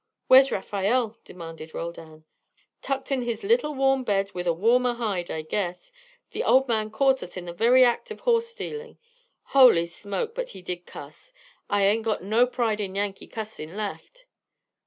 "Where's Rafael?" demanded Roldan. "Tucked in his little warm bed with a warmer hide, I guess. The old man caught us in the very act of horse stealin'. Holy smoke, but he did cuss. I ain't got no pride in Yankee cussin' left."